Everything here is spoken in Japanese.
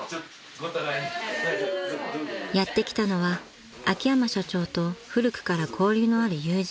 ［やって来たのは秋山社長と古くから交流のある友人］